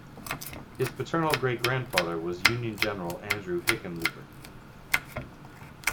His paternal great-grandfather was Union general Andrew Hickenlooper.